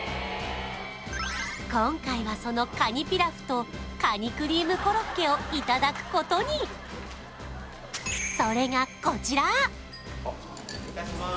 今回はそのカニピラフとカニクリームコロッケをいただくことに失礼いたします